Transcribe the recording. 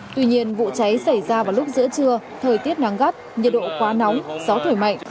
tuy nhiên vụ cháy xảy ra vào lúc giữa trưa thời tiết nắng gắt nhiệt độ quá nóng gió thổi mạnh